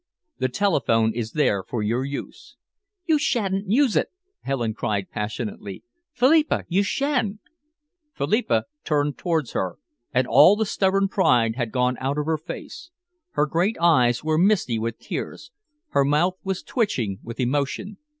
The telephone is there for your use." "You shan't use it!" Helen cried passionately. "Phillipa, you shan't!" Philippa turned towards her, and all the stubborn pride had gone out of her face. Her great eyes were misty with tears, her mouth was twitching with emotion.